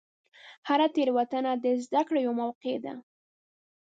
هره تېروتنه د زدهکړې یوه موقع ده.